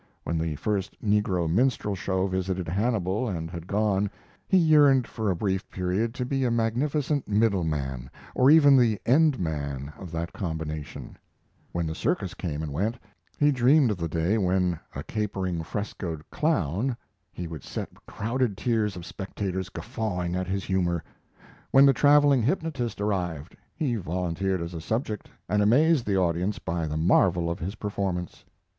When the first negro minstrel show visited Hannibal and had gone, he yearned for a brief period to be a magnificent "middle man" or even the "end man" of that combination; when the circus came and went, he dreamed of the day when, a capering frescoed clown, he would set crowded tiers of spectators guffawing at his humor; when the traveling hypnotist arrived, he volunteered as a subject, and amazed the audience by the marvel of his performance.